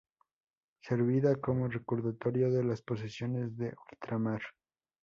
Servida como recordatorio de las posesiones de ultramar.